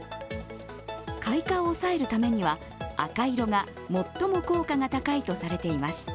開花を抑えるためには、赤色が最も効果が高いとされています。